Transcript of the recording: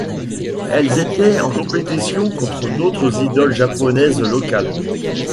Elles étaient en compétition contre d'autres idoles japonaises locales.